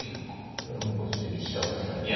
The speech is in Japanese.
これもこっち飛車渡せないから。